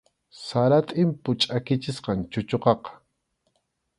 Sara tʼimpu chʼakichisqam chuchuqaqa.